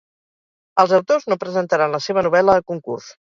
Els autors no presentaran la seva novel·la a concurs.